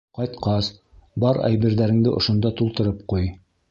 Ҡайтҡас, бар әйберҙәреңде ошонда тултырып ҡуй.